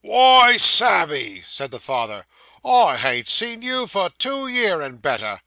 'Wy, Sammy,' said the father, 'I ha'n't seen you, for two year and better.